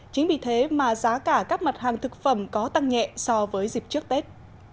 chính vì thế mà giá cả các mặt hàng thực phẩm có tăng nhẹ so với dịp trước tết